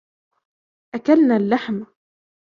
أكلنا اللحم.